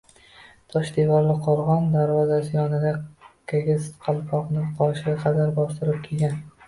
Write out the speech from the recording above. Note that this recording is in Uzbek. Tosh devorli qoʼrgʼon darvozasi yonida kigiz qalpoqni qoshiga qadar bostirib kiygan